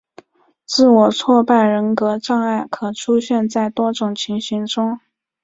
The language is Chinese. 自我挫败人格障碍可出现在多种情形中。